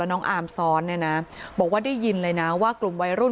น้องอาร์มซ้อนเนี่ยนะบอกว่าได้ยินเลยนะว่ากลุ่มวัยรุ่น